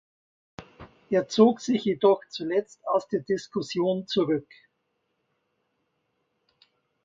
Er zog sich jedoch zuletzt aus der Diskussion zurück.